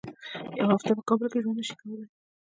یوه هفته په کابل کې ژوند نه شي کولای.